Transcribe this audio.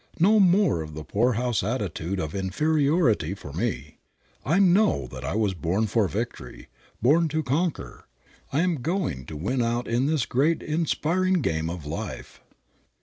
No more of the poorhouse attitude of inferiority for me. I know that I was born for victory, born to conquer. I am going to win out in this great inspiring game of life."